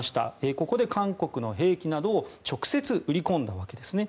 ここで韓国の兵器などを直接、売り込んだわけですね。